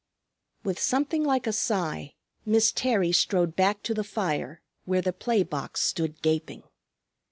With something like a sigh Miss Terry strode back to the fire, where the play box stood gaping.